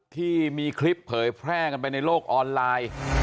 ที่มีคลิปเผยแพร่กันไปในโลกออนไลน์